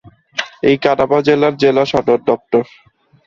এটি কাডাপা জেলার জেলা সদর দপ্তর।